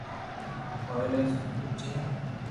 او ايلائي سوٺي ھي